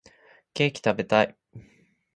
ケーキ食べたい